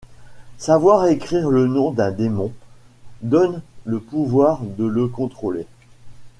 Savoir écrire le nom d’un démon, donne le pouvoir de le contrôler.